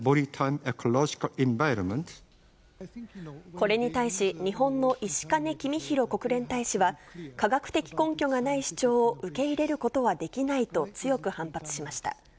これに対し、日本の石兼公博国連大使は、科学的根拠がない主張を受け入れることはできないと強く反発しました。